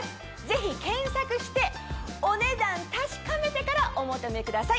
ぜひ検索してお値段確かめてからお求めください。